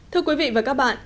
thưa quý vị và các bạn